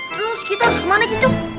terus kita harus kemana kita